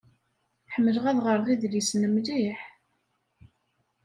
Ḥemmleɣ ad ɣṛeɣ idlisen mliḥ.